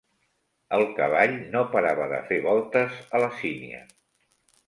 El cavall no parava de fer voltes a la sínia.